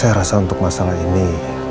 saya rasa untuk masalah ini